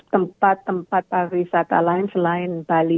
tempat tempat pariwisata lain selain bali